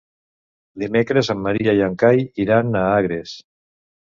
Dimecres en Maria i en Cai iran a Agres.